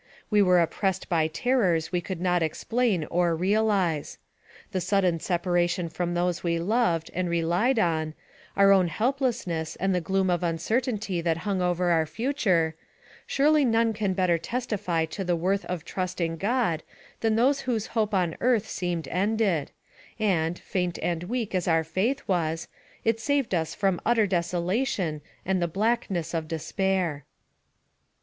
"We were oppressed by terrors we could not explain or realize. The sudden separation from those we loved and relied on ; our own helplessness and the gloom of uncertainty that hung over the future surely none can better testify to the worth of trust in God than those whose hope on earth seemed ended; and, faint and weak as our faith was, it saved us from utter desola tion and the blackness of despair.